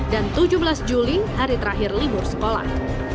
dan tujuh belas juli hari terakhir libur sekolah